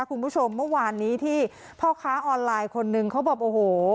คุณผู้ชมเมื่อวานนี้ที่พ่อค้าออนไลน์คนนึงเขาบอกโอ้โห